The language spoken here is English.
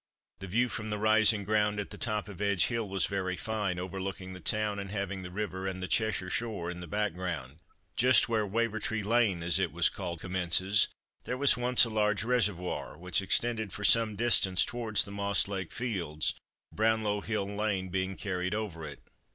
The view from the rising ground, at the top of Edge hill, was very fine, overlooking the town and having the river and the Cheshire shore in the background. Just where Wavertree lane, as it was called, commences there was once a large reservoir, which extended for some distance towards the Moss Lake Fields, Brownlow hill Lane being carried over it.